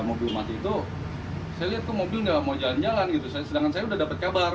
mobil mati itu saya lihat ke mobilnya mau jalan jalan itu sedangkan saya udah dapat kabar